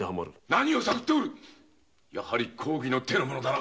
何を探っておる⁉公儀の手の者だな？